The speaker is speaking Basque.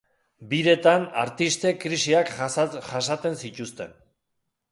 Biretan artistek krisiak jasaten zituzten.